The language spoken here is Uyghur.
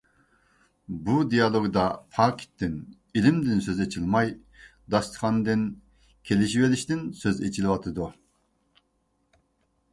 بۇ دېئالوگدا پاكىتتىن، ئىلىمدىن سۆز ئېچىلماي داستىخاندىن، كېلىشۋېلىشتىن سۆز ئىچىلىۋاتىدۇ.